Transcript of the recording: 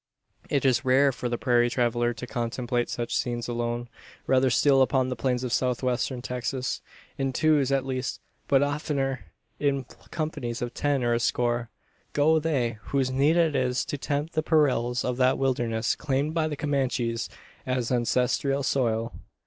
It is rare for the prairie traveller to contemplate such scenes alone rarer still upon the plains of South western Texas. In twos at least but oftener in companies of ten or a score go they, whose need it is to tempt the perils of that wilderness claimed by the Comanches as ancestral soil.